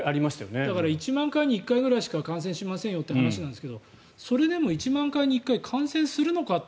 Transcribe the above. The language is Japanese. だから１万回に１回くらいしか感染しませんよという話なんですがそれでも１万回に１回感染するのかって